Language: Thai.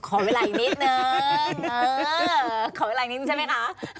ขอเวลาอีกนิดนึงขอเวลาอีกนิดนึงใช่ไหมคะ